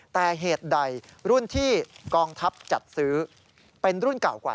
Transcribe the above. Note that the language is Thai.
แต่เหตุใดรุ่นที่กองทัพจัดซื้อเป็นรุ่นเก่ากว่า